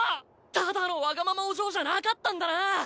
ただのわがままお嬢じゃなかったんだな！